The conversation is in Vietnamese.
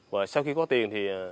và sau khi có tiền thì